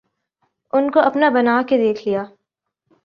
ان کو اپنا بنا کے دیکھ لیا